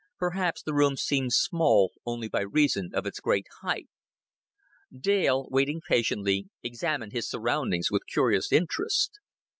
Perhaps the room seemed small only by reason of its great height. Dale, waiting patiently, examined his surroundings with curious interest.